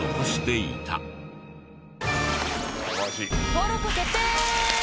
登録決定！